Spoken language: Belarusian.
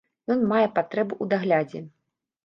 Ён мае патрэбу ў даглядзе.